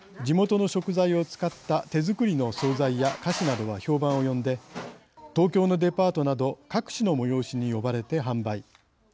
地元の食材を使った手づくりの総菜や菓子などは評判を及んで東京のデパートなど各地の催しに呼ばれて販売。